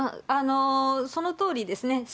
そのとおりですね。